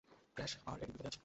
Crash আর এডি বিপদে আছে।